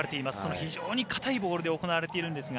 非常に硬いボールで行われているんですが。